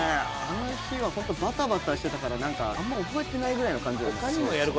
あの日はバタバタしてたから覚えてないぐらいの感じ。